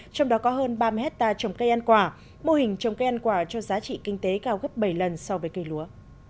trong đó có hơn ba mươi hectare trồng cây ăn quả mô hình trồng cây ăn quả cho giá trị kinh tế cao gấp bảy lần so với cây lúa